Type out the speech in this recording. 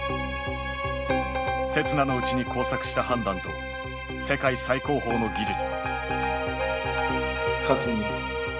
刹那のうちに交錯した判断と世界最高峰の技術。